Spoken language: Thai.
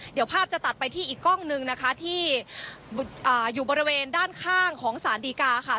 เดี๋ยวภาพจะตัดไปที่อีกกล้องนึงนะคะที่อยู่บริเวณด้านข้างของสารดีกาค่ะ